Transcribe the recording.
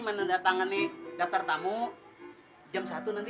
menandatangani daftar tamu jam satu nanti